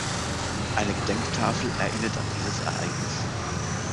Eine Gedenktafel erinnert an dieses Ereignis.